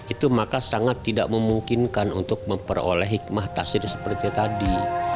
itu maka sangat tidak memungkinkan untuk memperoleh hikmah tasir seperti tadi